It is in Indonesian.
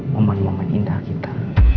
momen momen indah kita